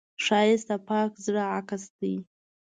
ښایست د پاک زړه عکس دی